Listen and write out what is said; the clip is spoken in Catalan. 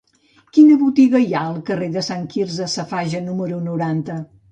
Quina botiga hi ha al carrer de Sant Quirze Safaja número noranta?